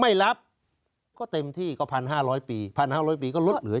ไม่รับก็เต็มที่ก็พันห้าร้อยปีพันห้าร้อยปีก็ลดเหลือ